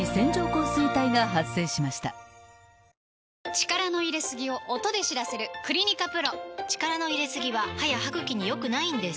力の入れすぎを音で知らせる「クリニカＰＲＯ」力の入れすぎは歯や歯ぐきに良くないんです